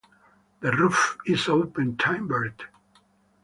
The roof is open timbered.